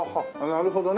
なるほどね。